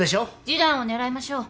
示談を狙いましょう。